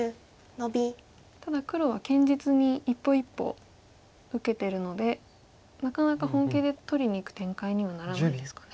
ただ黒は堅実に一歩一歩受けてるのでなかなか本気で取りにいく展開にはならないんですかね。